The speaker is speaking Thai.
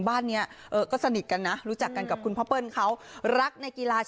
บ้านนี้ก็สนิทกันนะรู้จักกันกับคุณพ่อเปิ้ลเขารักในกีฬา